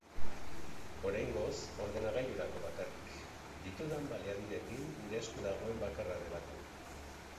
Oraingoz ordenagailurako bakarrik, ditudan baliabideekin nire esku dagoen bakarra delako.